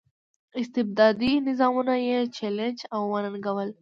استبدادي نظامونه یې چلنج او وننګول.